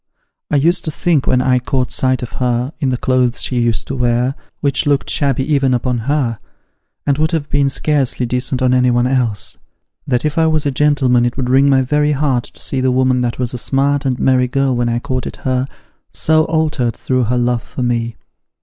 I used to think when I caught sight of her, in the clothes she used to wear, which looked shabby oven upon her, and would have been scarcely decent on anyone else, that if I was a gentleman it would wring my very heart to see the woman that was a smart and merry girl when I courted her, so altered through her love for me.